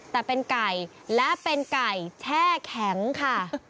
แต่เป็นไก่และเป็นไก่แช่แข็งค่ะ